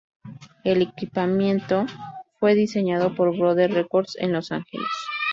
El equipamiento fue diseñado por Brother Records en Los Ángeles.